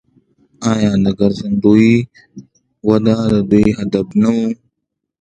آیا د ګرځندوی وده د دوی هدف نه دی؟